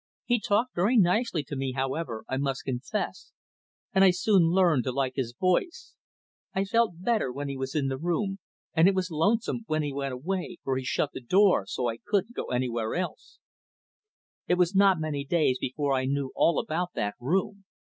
He talked very nicely to me, however, I must confess, and I soon learned to like to hear his voice. I felt better when he was in the room, and it was lonesome when he went away, for he shut the door so that I couldn't go anywhere else. It was not many days before I knew all about that room.